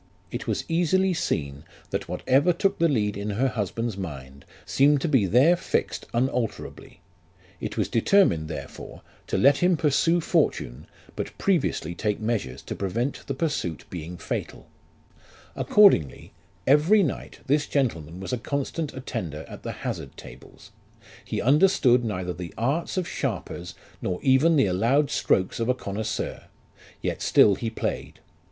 It was easily seen that whatever took the lead in her husband's mind, seemed to be there fixed unalterably ; it was determined, therefore, to let him pursue fortune, but previously take measures to prevent the pursuit being fatal. LIFE OF RICHARD NASII. 119 " Accordingly, every night this gentleman was a constant attender at the hazard tables ; he understood neither the arts of sharpers nor even the allowed strokes of a connoisseur, yet still he played.